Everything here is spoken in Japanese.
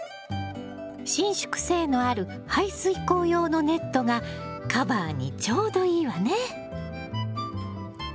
伸縮性のある排水口用のネットがカバーにちょうどいいわね。